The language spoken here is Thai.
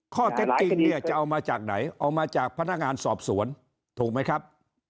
ข้อเท็จจริงเนี่ยจะเอามาจากไหนเอามาจากพนักงานสอบสวนถูกไหมครับ